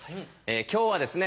今日はですね